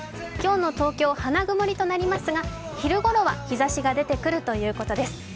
今日の東京、花曇りとなりますが、昼ごろは日ざしが出てくるということです。